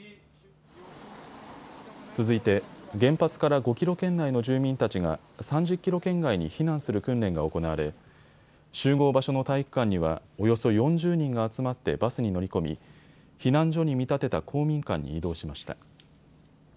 続いて原発から５キロ圏内の住民たちが３０キロ圏外に避難する訓練が行われ集合場所の体育館にはおよそ４０人が集まってバスに乗り込み避難所に見立てた公民館に移動しました。